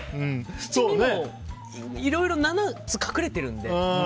七味も、いろいろ７つ隠れてるので。